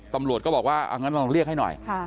ตำรวจก็บอกว่างั้นลองเรียกให้หน่อย